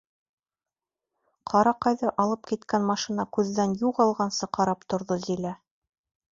Ҡараҡайҙы алып киткән машина күҙҙән юғалғансы ҡарап торҙо Зилә.